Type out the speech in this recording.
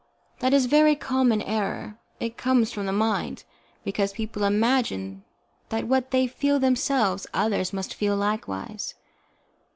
That is a very common error, it comes from the mind, because people imagine that what they feel themselves others must feel likewise.